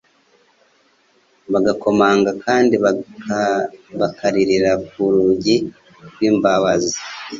bagakomanga kandi bakaririra ku rugi rw'imbabazi